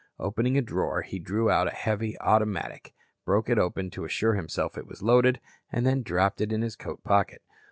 Opening a drawer, he drew out a heavy automatic, broke it open to assure himself it was loaded, and then dropped it in his coat pocket.